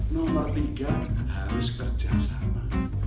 nomor tiga harus kerja sama